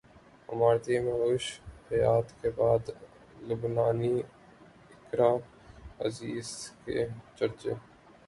اماراتی مہوش حیات کے بعد لبنانی اقرا عزیز کے چرچے